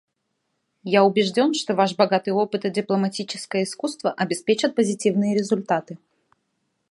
Я убежден, что Ваш богатый опыт и дипломатическое искусство обеспечат позитивные результаты.